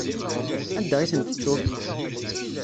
Anda i tent-tettuḍ?